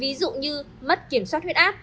ví dụ như mất kiểm soát huyết áp